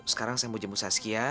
sekarang saya mau jemus saskia